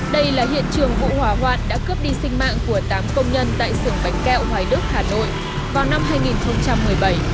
đây là hiện trường vụ hỏa hoạn đã cướp đi sinh mạng của tám công nhân tại xưởng bánh kẹo hoài đức hà nội vào năm hai nghìn một mươi bảy